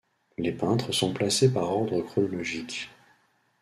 Les peintres sont placés par ordre chronologique.